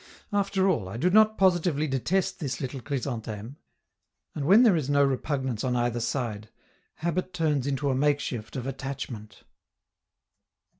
After all, I do not positively detest this little Chrysantheme, and when there is no repugnance on either side, habit turns into a makeshift of attachment.